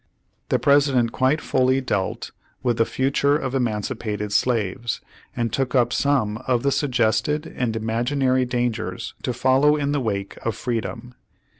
The President quite fully dealt with the "Fu ture of Emancipated Slaves," and took up some of the suggested and iniaginery dangers to follow in the wake of freedom.